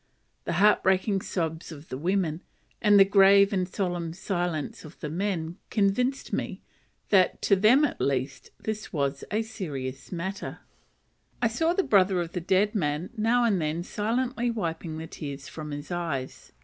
The heartbreaking sobs of the women, and the grave and solemn silence of the men, convinced me, that to them at least, this was a serious matter: I saw the brother of the dead man now and then silently wiping the tears from his eyes.